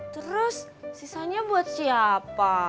terus sisanya buat siapa